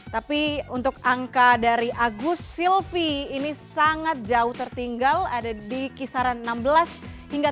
tapi untuk angka dari agus silvi ini sangat jauh tertinggal ada di kisaran enam belas hingga dua puluh